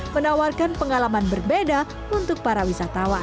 menawarkan pengalaman berbeda untuk para wisatawan